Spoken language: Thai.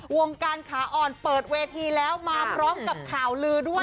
วงการขาอ่อนเปิดเวทีแล้วมาพร้อมกับข่าวลือด้วย